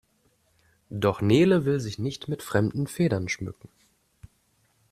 Doch Nele will sich nicht mit fremden Federn schmücken.